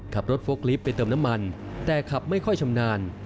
โฟกลิฟต์ไปเติมน้ำมันแต่ขับไม่ค่อยชำนาญ